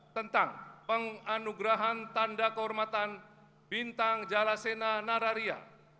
tentang penganugerahan tanda kehormatan bintang jalasena nararia